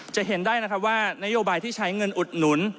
จะเห็นได้นะครับว่านโยบายที่ใช้เงินอุดหนุน